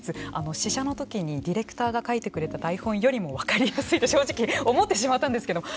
試写の時にディレクターが書いてくれた台本よりも分かりやすいと正直思ってしまったんですけど